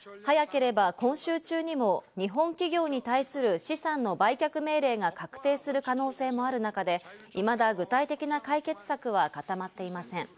早ければ今週中にも日本企業に対する資産の売却命令が確定する可能性もある中で、いまだ具体的な解決策は固まっていません。